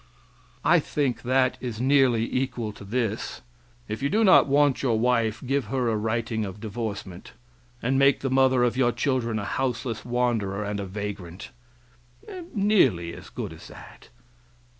I think that is nearly equal to this: "If you do not want your wife, give her a writing of divorcement," and make the mother of your children a houseless wanderer and a vagrant nearly as good as that.